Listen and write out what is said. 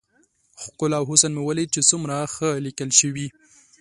ښکلا او حسن مې وليد چې څومره ښه ليکل شوي.